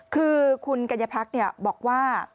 คือคุณกัญญาพักบอกว่า